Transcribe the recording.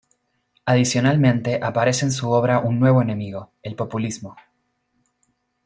Adicionalmente, aparece en su obra un nuevo enemigo: el populismo.